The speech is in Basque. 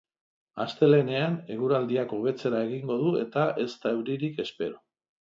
Astelehenean eguraldiak hobetzera egingo du eta ez da euririk espero.